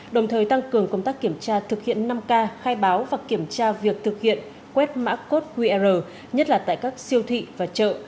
đồng thời tăng cường công tác kiểm tra thực hiện năm k khai báo và kiểm tra việc thực hiện quét mã qr nhất là tại các siêu thị và chợ